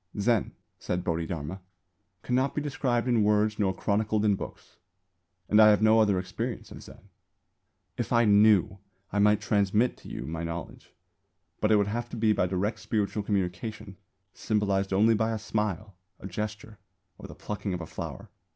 "Zen," said Bodhidharma, "cannot be described in words nor chronicled in books"; and I have no other experience of Zen. If I knew, I might transmit to you my knowledge, but it would have to be by a direct spiritual communication, symbolised only by a smile, a gesture, or the plucking of a flower.